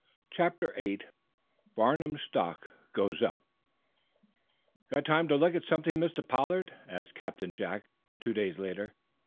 CHAPTER VIII FARNUM STOCK GOES UP "Got time to look at something, Mr. Pollard?" asked Captain Jack, two days later.